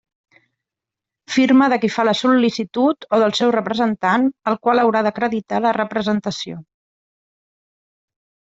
Firma de qui fa la sol·licitud o del seu representant, el qual haurà d'acreditar la representació.